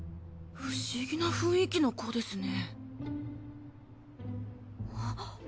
不思議な雰囲気の子ですね。